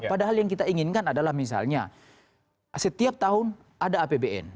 padahal yang kita inginkan adalah misalnya setiap tahun ada apbn